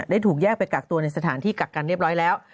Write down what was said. ถูกแยกไปกักตัวในสถานที่กักกันเรียบร้อยแล้ว